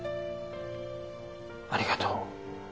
「ありがとう」